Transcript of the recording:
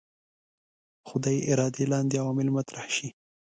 خدای ارادې لاندې عوامل مطرح شي.